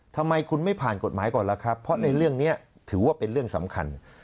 ทำไมคุณไม่ผ่านกฎหมายก่อนล่ะครับเพราะในเรื่องนี้ถือว่าเป็นเรื่องสำคัญ